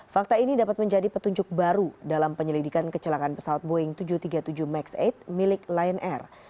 fakta ini dapat menjadi petunjuk baru dalam penyelidikan kecelakaan pesawat boeing tujuh ratus tiga puluh tujuh max delapan milik lion air